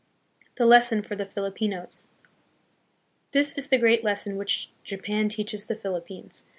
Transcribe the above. The Lesson for the Filipinos. This is the great lesson which Japan teaches the Philippines.